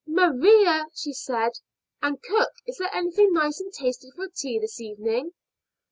"Maria," she said, "and cook, is there anything nice and tasty for tea this evening?"